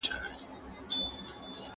کابل ښکلی دی